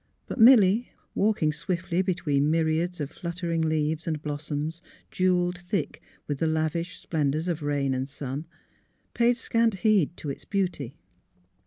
But Milly, walking swiftly between myriads of fluttering leaves and blossoms, jewelled thick with the lavish splen dours of rain and sun, paid scant heed to its beauty.